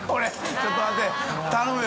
ちょっと待って頼むよ。